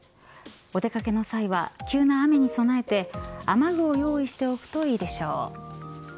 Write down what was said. お出掛けの際は急な雨に備えて雨具を用意しておくとよいでしょう。